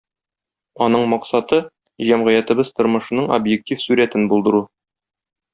Аның максаты - җәмгыятебез тормышының объектив сурәтен булдыру.